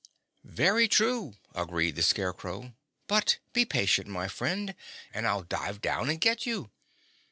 "Very true," agreed the Scarecrow; "but be patient, my friend, and I'll dive down and get you.